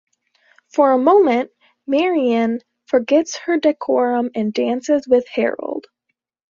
For a moment, Marian forgets her decorum and dances with Harold.